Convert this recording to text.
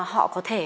họ có thể